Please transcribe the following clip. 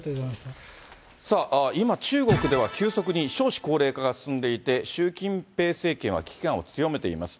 さあ、今、中国では急速に少子高齢化が進んでいて、習近平政権は危機感を強めています。